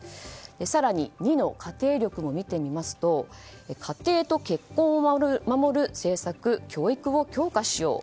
更に２の家庭力も見てみますと家庭と結婚を守る政策・教育を強化しよう。